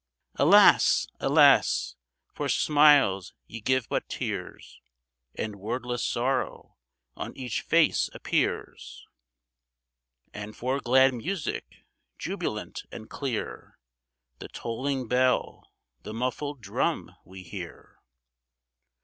Alas ! alas ! for smiles ye give but tears, And wordless sorrow on each face appears. And for glad music, jubilant and clear. The tolling bell, the muffled drum, we hear.